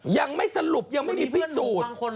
ยังไม่สรุปยังไม่มีพิสูจน์